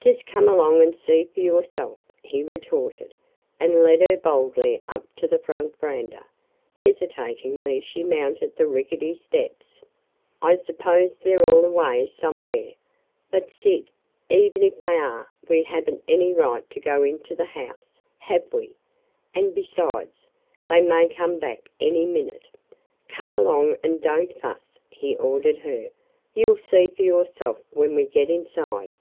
"Just come along and see for yourself!" he retorted, and led her boldly up to the front veranda. Hesitatingly she mounted the rickety steps. "I suppose they 're all away somewhere. But, Syd, even if they are, we have n't any right to go into the house, have we? And, besides, they may come back any minute." "Come along and don't fuss!" he ordered her. "You 'll see for yourself when we get inside."